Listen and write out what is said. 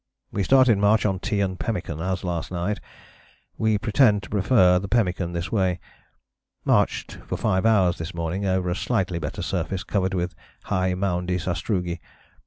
We started march on tea and pemmican as last night we pretend to prefer the pemmican this way. Marched for 5 hours this morning over a slightly better surface covered with high moundy sastrugi.